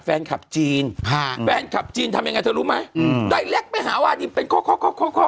ฟานคลับจีนฟานคลับจีนทำยังไงเธอรู้ไหมไปหาหวาดิมเป็นข้อ